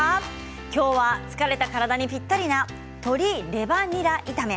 きょうは疲れた体にぴったりな鶏のレバニラ炒め。